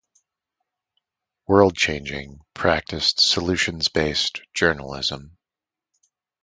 Worldchanging practiced solutions-based journalism.